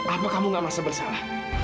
apa kamu gak masa bersalah